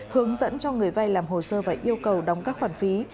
hướng dẫn cho người vay làm hồ sơ và yêu cầu đóng các khoản phí